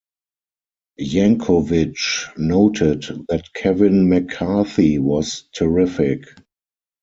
Yankovic noted that Kevin McCarthy was terrific.